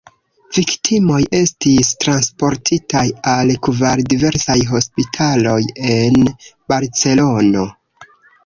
Viktimoj estis transportitaj al kvar diversaj hospitaloj en Barcelono.